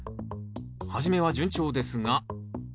初めは順調ですが。